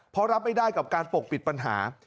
เพราะรับไม่ได้กับการปกปิดปัญหา